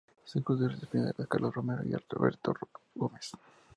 Se considera discípula de Carlos Romero y Alberto Gómez.